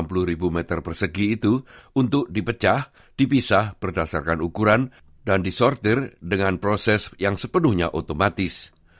enam puluh ribu meter persegi itu untuk dipecah dipisah berdasarkan ukuran dan disortir dengan proses yang sepenuhnya otomatis